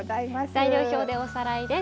材料表でおさらいです。